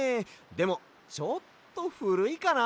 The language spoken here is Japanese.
でもちょっとふるいかな。